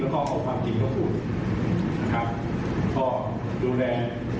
แล้วก็เป็นเศรษฐ์ที่เสียขวัญกับเหตุการณ์